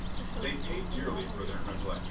They paid dearly for their neglect.